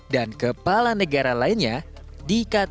dan kepala negara lainnya di ktt